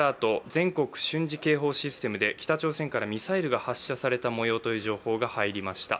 全国瞬時警報システムで北朝鮮からミサイルが発射された模様という情報が入りました。